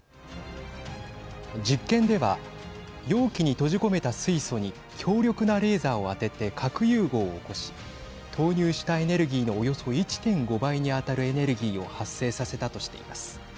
実験では容器に閉じ込めた水素に強力なレーザーを当てて核融合を起こし投入したエネルギーのおよそ１．５倍に当たるエネルギーを発生させたとしています。